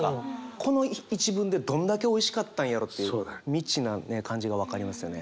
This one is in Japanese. この一文でどんだけおいしかったんやろうという未知なね感じが分かりますよね。